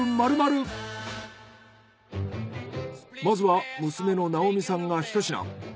まずは娘の直美さんがひと品。